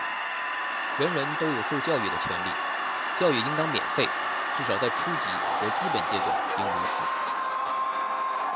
人人都有受教育的权利,教育应当免费,至少在初级和基本阶段应如此。